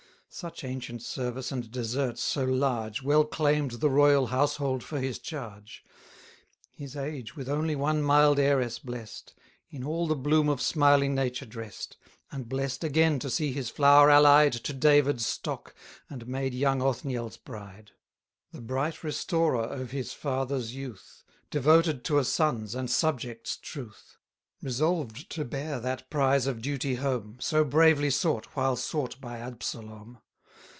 Such ancient service and desert so large Well claim'd the royal household for his charge. 990 His age with only one mild heiress bless'd, In all the bloom of smiling nature dress'd, And bless'd again to see his flower allied To David's stock, and made young Othniel's bride. The bright restorer of his father's youth, Devoted to a son's and subject's truth; Resolved to bear that prize of duty home, So bravely sought, while sought by Absalom.